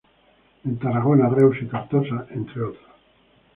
En Tarragona, Reus y Tortosa, entre otros.